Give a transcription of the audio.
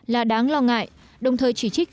là đáng lo ngại đồng thời chỉ trích